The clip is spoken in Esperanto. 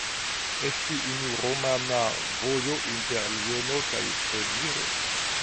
Estis unu romana vojo inter Liono kaj Treviro.